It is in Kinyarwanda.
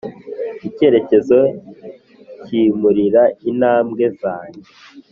icyerekezo kimurika intambwe zanjye